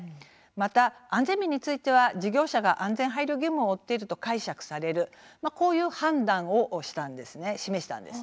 また安全面については事業者が安全配慮義務を負っていると解釈されるという判断をしたんです。